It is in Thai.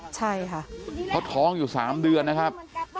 ใช่ค่ะเขาท้องอยู่๓เดือนนะครับ